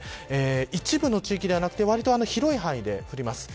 一部の地域ではなく広い範囲で降ります。